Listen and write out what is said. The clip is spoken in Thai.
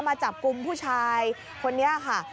มาจับกลุ่มผู้ชายคนนี้ค่ะ